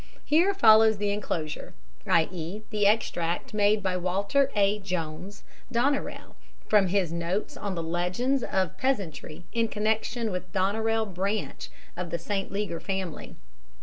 Here follows the enclosure, i.e. the extract made by Walter A. Jones, Doneraile, from his MS. notes on the Legends of Peasantry in connection with Doneraile branch of the St. Leger family.